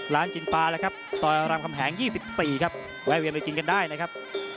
ร้านกินปลาแล้วครับซอยรามคำแหง๒๔ครับแวะเวียนไปกินกันได้นะครับ